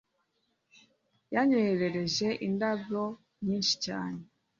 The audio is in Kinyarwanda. Yanyoherereje indabo nyinshi cyane